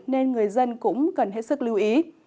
nên người dân cũng cần hết sức lưu ý